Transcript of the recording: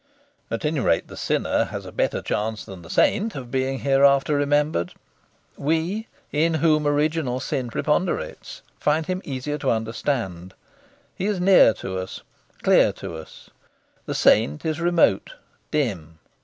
At any rate, the sinner has a better chance than the saint of being hereafter remembered. We, in whom original sin preponderates, find him easier to understand. He is near to us, clear to us. The saint is remote, dim.